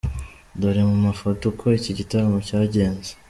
Dore mu Mafoto uko iki gitaramo cyagenze:.